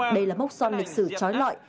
đây là mốc son lịch sử trói lọi